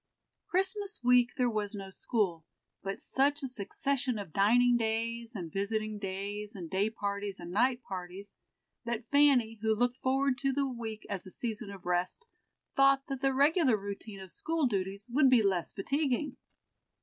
Christmas week there was no school, but such a succession of dining days, and visiting days, and day parties, and night parties, that Fanny, who looked forward to the week as a season of rest, thought that the regular routine of school duties would be less fatiguing.